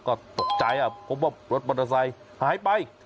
ก็ตกใจพบว่ารถมอเตอร์ไซค์หายไป